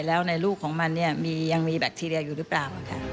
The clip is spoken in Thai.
แล้วในลูกของมันเนี่ยยังมีแบคทีเรียอยู่หรือเปล่า